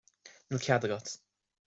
Níl cead agat.